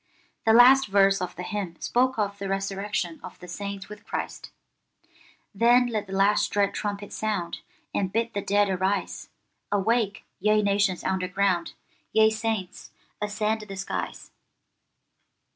The last verse of the hymn spoke of the resurrection of the saints with Christ— 'Then let the last dread trumpet sound, And bid the dead arise; Awake, ye nations underground, Ye saints, ascend the skies.